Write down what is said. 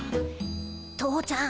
父ちゃん。